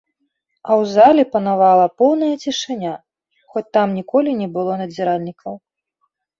А ў залі панавала поўная цішыня, хоць там ніколі не было надзіральнікаў.